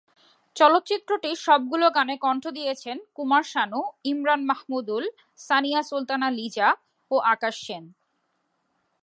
চলচ্চিত্রটির সবগুলো গানে কণ্ঠ দিয়েছেন কুমার শানু, ইমরান মাহমুদুল, সানিয়া সুলতানা লিজা ও আকাশ সেন।